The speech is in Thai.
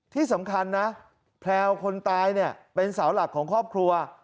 ที่สำคัญนะแพลวคนตายเนี่ยเป็นสาวหลักของครอบครัว